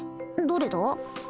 どれだ？